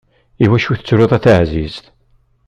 Iwacu tettruḍ a taεzizt?